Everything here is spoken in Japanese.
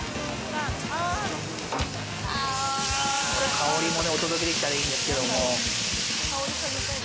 香りもお届けできたらいいんですけれども。